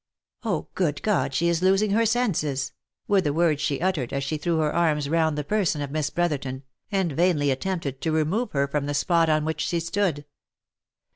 " Oh,*good God ! she is losing her senses !" were the words she uttered as she threw her arms round the person of Miss Brotherton, and vainly attempted to remove her from the spot on which she stood.